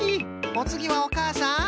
おつぎはおかあさん。